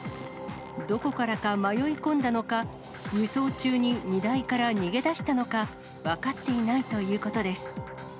どこからか迷い込んだのか、輸送中に荷台から逃げ出したのか分かっていないということです。